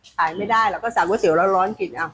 ขายไม่ได้เขาสั่งก๋วยเตี๋ยวแล้วร้อนกิน